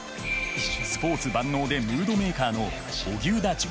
スポーツ万能でムードメーカーの荻生田隼平。